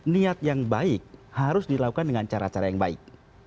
niat yang baik harus dilakukan dengan cara cara yang baik